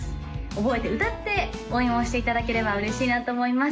覚えて歌って応援をしていただければ嬉しいなと思います